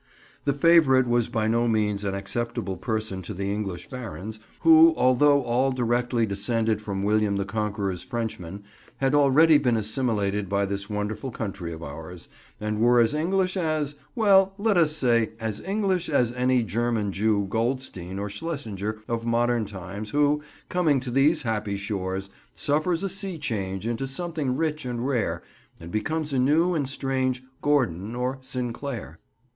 The favourite was by no means an acceptable person to the English barons, who although all directly descended from William the Conqueror's Frenchmen, had already been assimilated by this wonderful country of ours, and were as English as—well, let us say as English as any German Jew Goldstein or Schlesinger of modern times who, coming to these happy shores, suffers a sea change into something rich and rare, and becomes a new and strange "Gordon," or "Sinclair."